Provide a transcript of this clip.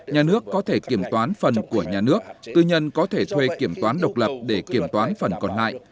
nhà nước có thể kiểm toán phần của nhà nước tư nhân có thể thuê kiểm toán độc lập để kiểm toán phần còn lại